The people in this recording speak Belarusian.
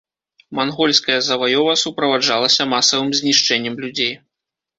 Мангольская заваёва суправаджалася масавым знішчэннем людзей.